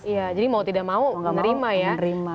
iya jadi mau tidak mau menerima ya